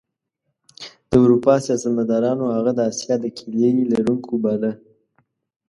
د اروپا سیاستمدارانو هغه د اسیا د کیلي لرونکی باله.